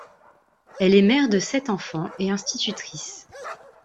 Elle est mère de sept enfants et institutrice.